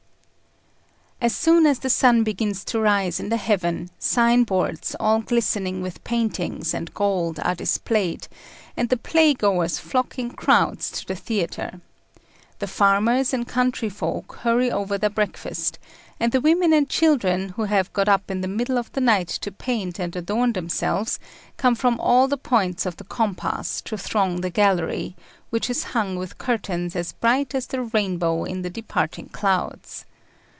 As soon as the sun begins to rise in the heaven, sign boards all glistening with paintings and gold are displayed, and the playgoers flock in crowds to the theatre. The farmers and country folk hurry over their breakfast, and the women and children, who have got up in the middle of the night to paint and adorn themselves, come from all the points of the compass to throng the gallery, which is hung with curtains as bright as the rainbow in the departing clouds.